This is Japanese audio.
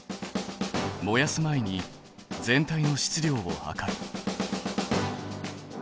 燃やす前に全体の質量を量る。